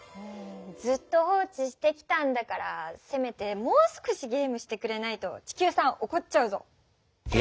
ずっと放置してきたんだからせめてもう少しゲームしてくれないと地球さんおこっちゃうぞ。